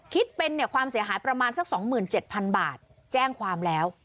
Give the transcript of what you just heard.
คิดเป็นเนี้ยความเสียหายประมาณสักสองหมื่นเจ็ดพันบาทแจ้งความแล้ว